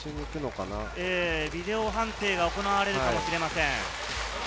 ビデオ判定が行われるかもしれません。